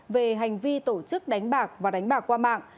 về hành vi tổ chức đánh bạc và đánh bạc qua mạng